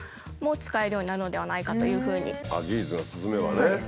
技術が進めばね。